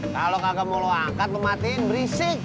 kalo kagak mau lo angkat mematikan berisik